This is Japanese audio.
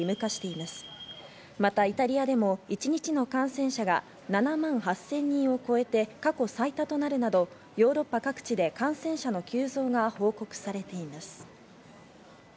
またイタリアでも一日の感染者が７万８０００人を超えて過去最多となるなど、ヨーロッパ各地で感染者の急増が報告されています。